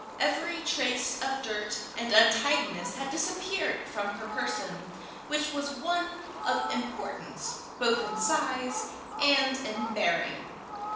Every trace of dirt and untidiness had disappeared from her person, which was one of importance both in size and in bearing.